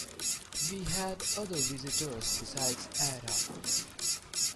We had other visitors besides Ada.